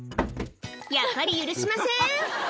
「やっぱり許しません」